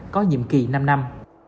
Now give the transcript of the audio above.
có nhiệm kỳ năm năm